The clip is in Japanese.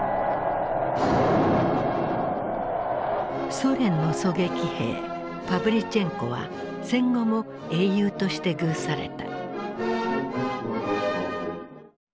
ソ連の狙撃兵パヴリチェンコは戦後も英雄として遇された。